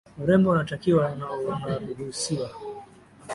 urembo unatakiwa na unaruhusiwa